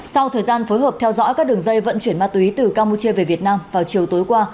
sau thời gian phối hợp theo dõi các đường dây vận chuyển ma túy từ campuchia về việt nam vào chiều tối qua